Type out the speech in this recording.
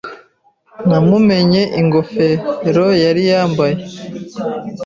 Namumenye ingofero yari yambaye.